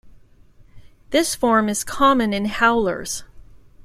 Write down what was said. This form is common in howlers.